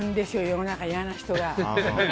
世の中に嫌な人が。